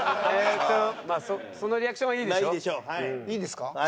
いいんですか？